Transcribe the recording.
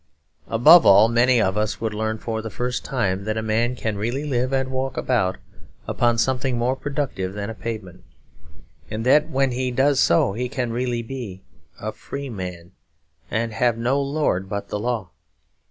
Above all, many of us would learn for the first time that a man can really live and walk about upon something more productive than a pavement; and that when he does so he can really be a free man, and have no lord but the law.